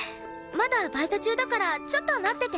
まだバイト中だからちょっと待ってて。